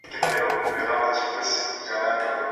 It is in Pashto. سياستپوهنه د بشر د سياسي آندونو پايله ګڼل کېږي.